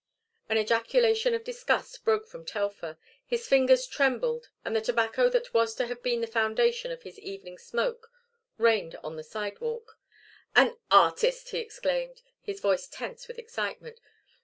An ejaculation of disgust broke from Telfer: his fingers trembled and the tobacco that was to have been the foundation of his evening smoke rained on the sidewalk. "An artist!" he exclaimed, his voice tense with excitement.